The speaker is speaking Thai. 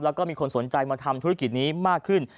แล้วก็มีคนสนใจมาทำธุรกิจนี้มากขึ้น